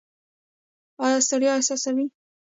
ایا ستړیا احساسوئ؟